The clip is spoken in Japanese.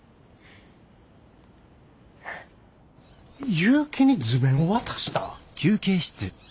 結城に図面を渡した？